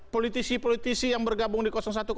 politisi politisi yang bergabung di satu